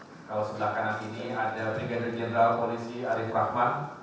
kalau sebelah kanan ini ada brigadir jenderal polisi arief rahman